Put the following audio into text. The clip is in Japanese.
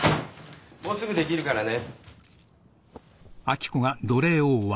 もうすぐできるからね。